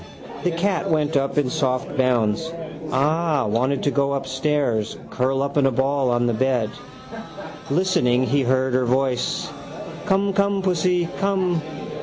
The cat went up in soft bounds. Ah, wanted to go upstairs, curl up in a ball on the bed. Listening, he heard her voice: —Come, come, pussy. Come.